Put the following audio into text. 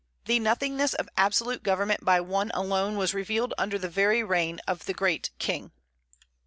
The nothingness of absolute government by one alone was revealed under the very reign of the great King."